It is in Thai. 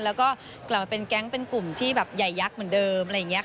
แล้วก็กลับมาเป็นแก๊งเป็นกลุ่มที่ใหญ่ยักษ์เหมือนเดิม